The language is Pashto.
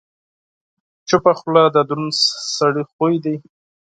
چپه خوله، د دروند سړي خوی دی.